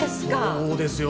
そうですよ。